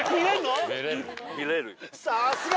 さすが！